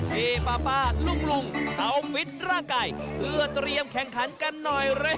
ป้าลุงเอาฟิตร่างกายเพื่อเตรียมแข่งขันกันหน่อยเร็ว